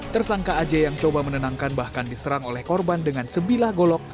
tersangka aj yang coba menenangkan bahkan diserang oleh korban dengan sebilah golok